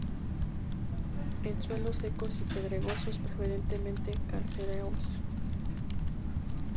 En suelos secos y pedregosos preferentemente calcáreos.